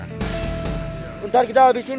ntar kita abisin dia kalau lagi nereng